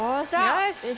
よし！